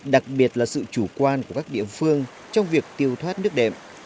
đặc biệt là sự chủ quan của các địa phương trong việc tiêu thoát nước đệm